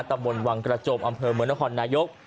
ตำบลวังกระโจมอำเภอเมืองนครนายก